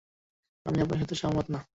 আমি আপনার সাথে সহমত না।